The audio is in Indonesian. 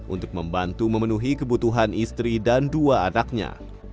untuk membantu memenuhi kebutuhan istri dan dua anaknya